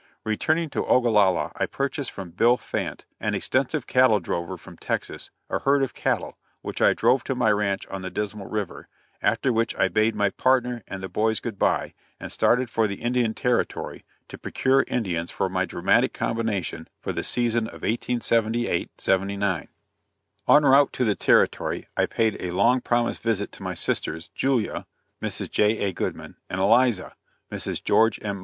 Returning to Ogallala I purchased from Bill Phant, an extensive cattle drover from Texas, a herd of cattle, which I drove to my ranch on the Dismal river, after which I bade my partner and the boys good bye, and started for the Indian Territory to procure Indians for my Dramatic Combination for the season of 1878 79. En route to the Territory, I paid a long promised visit to my sisters, Julia Mrs. J.A. Goodman and Eliza Mrs. George M.